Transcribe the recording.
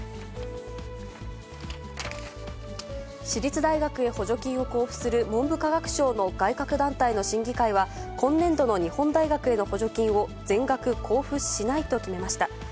私立大学に補助金を交付する文部科学省の外郭団体の審議会は、今年度の日本大学への補助金を、全額交付しないと決めました。